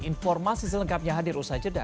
informasi selengkapnya hadir usai jeda